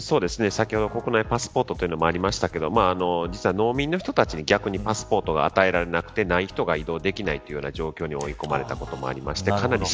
先ほど国内パスポートというものもありましたが実は農民の人たちに逆にパスポートが与えられない人が移動できないという状況になったこともありました。